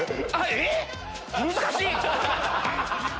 えっ⁉難しい！